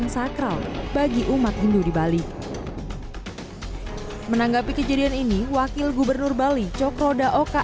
sakral bagi umat hindu di bali menanggapi kejadian ini wakil gubernur bali cokro daoka